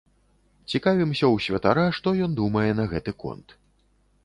Цікавімся ў святара, што ён думае на гэты конт.